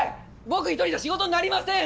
僕一人じゃ仕事になりません！